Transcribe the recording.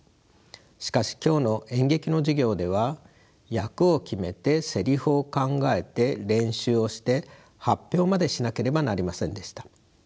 しかし今日の演劇の授業では役を決めてせりふを考えて練習をして発表までしなければなりませんでした。